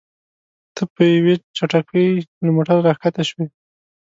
ته په یوې چټکۍ له موټره راښکته شوې.